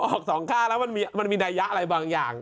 ออกสองข้างแล้วมันมีนัยยะอะไรบางอย่าง